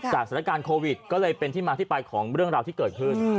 สถานการณ์โควิดก็เลยเป็นที่มาที่ไปของเรื่องราวที่เกิดขึ้น